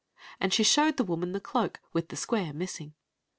And she showed the woman the cloak, with the square missing.